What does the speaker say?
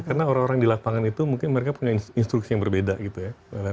karena orang orang di lapangan itu mungkin mereka punya instruksi yang berbeda